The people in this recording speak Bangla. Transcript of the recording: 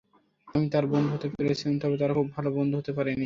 আমি তার বন্ধু হতে পেরেছিলাম তবে তার খুব ভাল বন্ধু হতে পারি নি।